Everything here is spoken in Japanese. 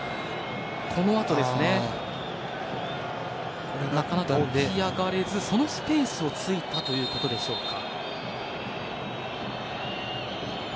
このあと起き上がれずそのスペースを突いたということでしょうか。